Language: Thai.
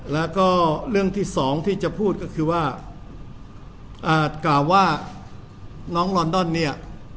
แล้วก็เรื่องที่สองที่จะพูดก็คือว่ากล่าวว่าน้องลอนดอนเนี่ย